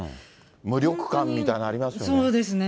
無力感みたいなのありますよね。